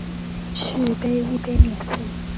续杯一杯免费